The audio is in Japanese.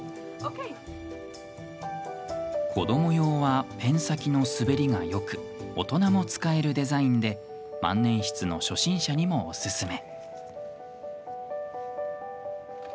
子ども用はペン先の滑りがよく大人も使えるデザインで万年筆の初心者にもおすすめ。